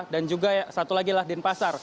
dan juga satu lagi adalah denpasar